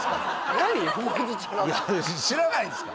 知らないんですか？